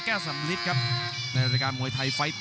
กรุงฝาพัดจินด้า